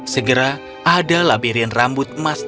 segera ada labirin rambut masing masing